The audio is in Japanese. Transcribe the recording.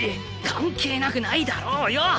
関係なくないだろうよ。